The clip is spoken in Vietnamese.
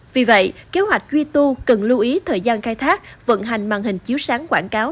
vì vậy kế hoạch duy tu cần lưu ý thời gian khai thác vận hành màn hình chiếu sáng quảng cáo